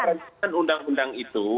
rancangan undang undang itu